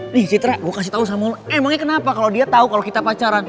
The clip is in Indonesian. nih citra gue kasih tau sama emangnya kenapa kalau dia tahu kalau kita pacaran